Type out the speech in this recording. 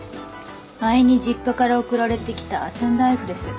前に実家から送られてきた仙台麩です。